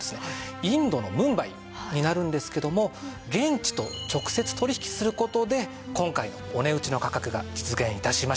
インドのムンバイになるんですけども現地と直接取引する事で今回のお値打ちの価格が実現致しました。